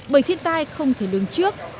bởi thiết tai không thể lương trước